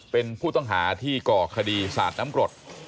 เป็นผู้ต้องหาที่ก่อคดีสาดน้ำกรด